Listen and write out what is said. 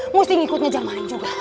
mesti ngikut ngejar maling juga